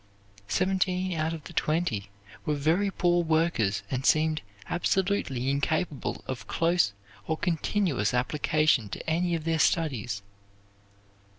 Seventeen out of the twenty were very poor workers and seemed absolutely incapable of close or continuous application to any of their studies.